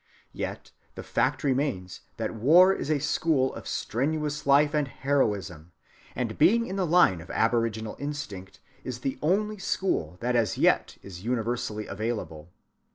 Yet the fact remains that war is a school of strenuous life and heroism; and, being in the line of aboriginal instinct, is the only school that as yet is universally available.